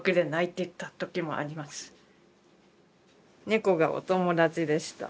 猫がお友達でした。